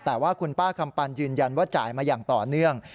แต่ว่าคุณป้าคำปันยืนยันว่าจ่ายมาอย่างต่อเนื่อง